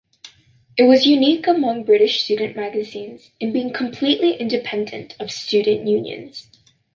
It was unique among British student magazines in being completely independent of student unions.